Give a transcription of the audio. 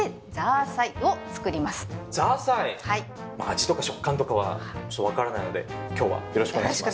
味とか食感とかはちょっと分からないので今日はよろしくお願いします。